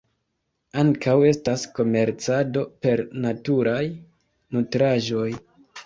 Ankaŭ estas komercado per naturaj nutraĵoj.